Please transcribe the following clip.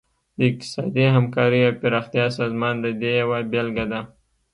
د اقتصادي همکارۍ او پراختیا سازمان د دې یوه بیلګه ده